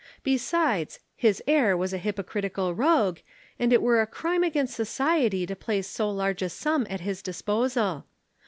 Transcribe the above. Besides, his heir was a hypocritical rogue, and it were a crime against society to place so large a sum at his disposal.